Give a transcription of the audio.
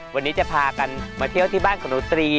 วันนี้จะพากันมาเที่ยวที่บ้านของหนูตรี